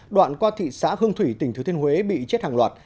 đoạn qua thị xã hương thủy tỉnh thứ thiên huế bị chết hàng loạt